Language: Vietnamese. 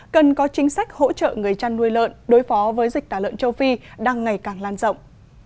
cần có chính sách hỗ trợ người chăn nuôi lợn đối phó với dịch tả lợn châu phi đang ngày càng lan rộng